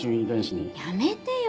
やめてよ！